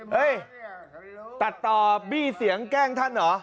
เฮ้ยตัดต่อบี้เสียงแกล้งท่านเหรอ